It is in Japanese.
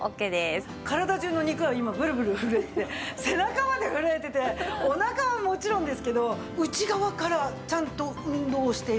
体中の肉が今ブルブル震えてて背中まで震えてておなかはもちろんですけど内側からちゃんと運動している。